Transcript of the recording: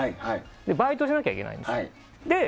バイトじゃなきゃいけないんです。